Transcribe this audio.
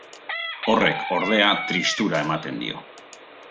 Horrek, ordea, tristura ematen dio.